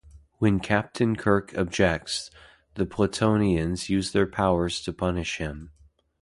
When Captain Kirk objects, the Platonians use their powers to punish him.